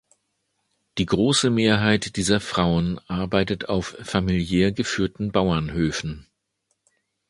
Die große Mehrheit dieser Frauen arbeitet auf familiär geführten Bauernhöfen.